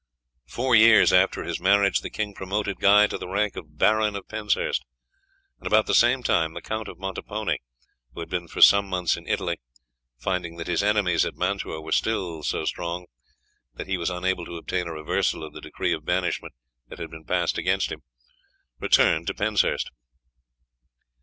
Four years after his marriage the king promoted Guy to the rank of Baron of Penshurst, and about the same time the Count of Montepone, who had been for some months in Italy, finding that his enemies at Mantua were still so strong that he was unable to obtain a reversal of the decree of banishment that had been passed against him, returned to Penshurst.